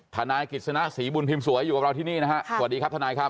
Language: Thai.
ทนายกิจสนะศรีบุญพิมพ์สวยอยู่กับเราที่นี่นะฮะสวัสดีครับทนายครับ